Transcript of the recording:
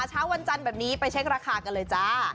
เช้าวันจันทร์แบบนี้ไปเช็คราคากันเลยจ้า